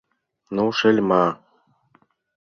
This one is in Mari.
— Ну, шельма!..